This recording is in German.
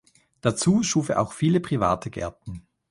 Dazu schuf er auch viele private Gärten.